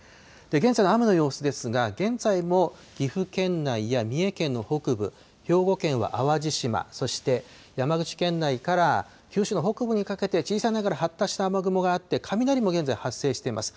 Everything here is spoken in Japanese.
現在の雨の様子ですが、現在も岐阜県内や三重県の北部、兵庫県は淡路島、そして山口県内から九州の北部にかけて、小さいながら発達した雨雲があって、雷も現在発生しています。